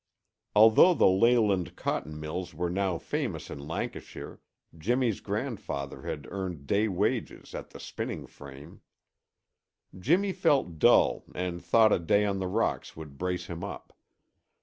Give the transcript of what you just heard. Although the Leyland cotton mills were now famous in Lancashire, Jimmy's grandfather had earned day wages at the spinning frame. Jimmy felt dull and thought a day on the rocks would brace him up.